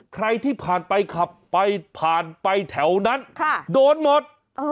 ใครที่ผ่านไปขับไปผ่านไปแถวนั้นโดนหมด